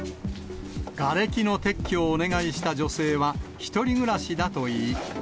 がれきの撤去をお願いした女性は、１人暮らしだといい。